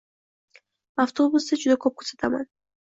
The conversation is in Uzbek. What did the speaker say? Avtobusda juda ko‘p kuzataman.